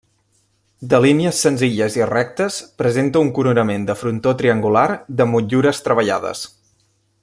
De línies senzilles i rectes, presenta un coronament de frontó triangular de motllures treballades.